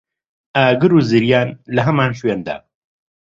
ئاگر و زریان لە هەمان شوێندا